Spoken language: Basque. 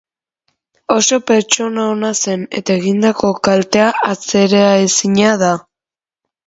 Oso pertsona ona zen eta egindako kaltea atzeraezina da.